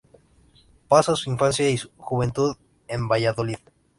Pasa su infancia y juventud en Valladolid.